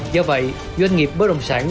do vậy doanh nghiệp bất động sản